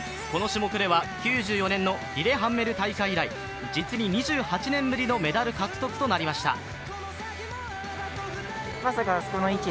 この種目では９４年のリレハンメル大会以来実に２８年ぶりのメダル獲得となりました。